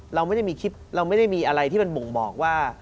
เราไม่ได้มีคลิปเราไม่ได้มีอะไรที่มันบ่งบอกว่า